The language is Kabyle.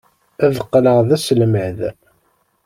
Ad qqleɣ d aselmad.